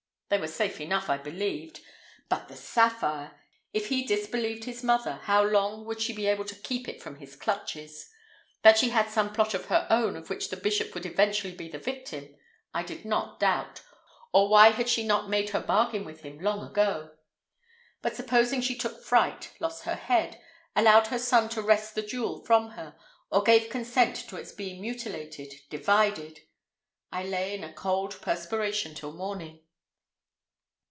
They were safe enough, I believed—but the sapphire! If he disbelieved his mother, how long would she be able to keep it from his clutches? That she had some plot of her own of which the bishop would eventually be the victim I did not doubt, or why had she not made her bargain with him long ago? But supposing she took fright, lost her head, allowed her son to wrest the jewel from her, or gave consent to its being mutilated, divided! I lay in a cold perspiration till morning.